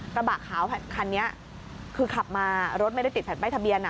กระบะขาวคันนี้คือขับมารถไม่ได้ติดแผ่นป้ายทะเบียน